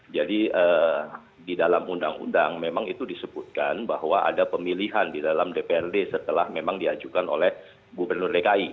jadi di dalam undang undang memang itu disebutkan bahwa ada pemilihan di dalam dprd setelah memang diajukan oleh gubernur dki